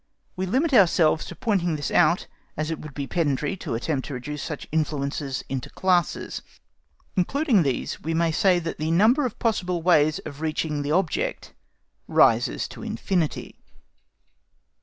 We limit ourselves to pointing this out, as it would be pedantry to attempt to reduce such influences into classes. Including these, we may say that the number of possible ways of reaching the object rises to infinity.